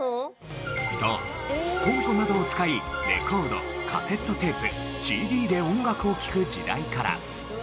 そうコンポなどを使いレコードカセットテープＣＤで音楽を聴く時代から。